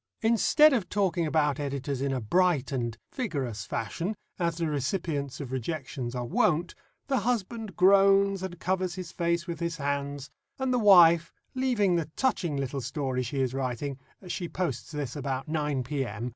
Instead of talking about editors in a bright and vigorous fashion, as the recipients of rejections are wont, the husband groans and covers his face with his hands, and the wife, leaving the touching little story she is writing she posts this about 9 p.m.